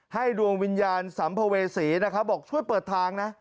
ดวงวิญญาณสัมภเวษีนะครับบอกช่วยเปิดทางนะ